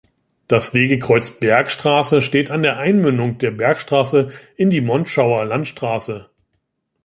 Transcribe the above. Das Wegekreuz Bergstraße steht an der Einmündung der Bergstraße in die Monschauer Landstraße.